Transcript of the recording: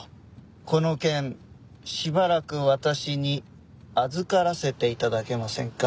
この件しばらく私に預からせて頂けませんか？